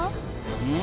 うん？